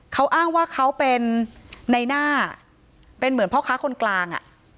เขาอ้างว่าเขาเป็นในหน้าเป็นเหมือนพ่อค้าคนกลาง